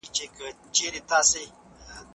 په کتابتونونو کي د کتابونو تنوع ته جدي پاملرنه وکړئ.